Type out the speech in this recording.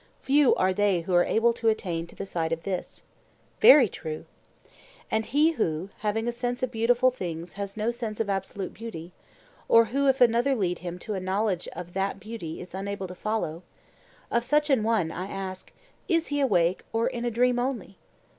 Few are they who are able to attain to the sight of this. Very true. And he who, having a sense of beautiful things has no sense of absolute beauty, or who, if another lead him to a knowledge of that beauty is unable to follow—of such an one I ask, Is he awake or in a dream only?